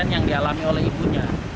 yang dialami oleh ibunya